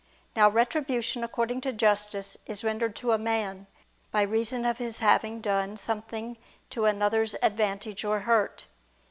Now, retribution according to justice is rendered to a man, by reason of his having done something to another's advantage or hurt.